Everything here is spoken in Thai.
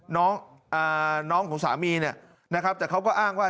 น้องน้องของสามีเนี่ยนะครับแต่เขาก็อ้างว่า